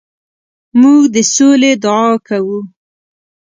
موږ د سولې دعا کوو.